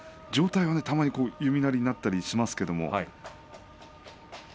上体はたまに弓なりになったりしますけれど。